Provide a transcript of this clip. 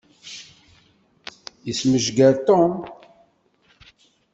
Yesmejger Tom.